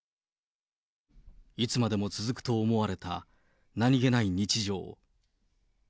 いつまでも続くと思われた何気ない日常。